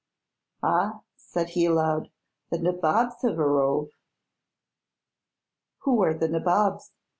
"Ah," said he aloud; "the nabobs hev arrove." "Who are the nabobs?"